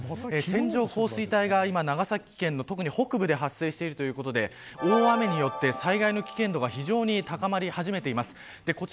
線状降水帯が今、長崎県の特に北部で発生しているということで大雨によって災害の危険度が非常に高まり始めています。